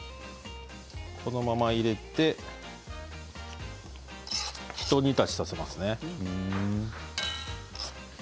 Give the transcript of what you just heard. このまま入れてひと煮立ちさせます。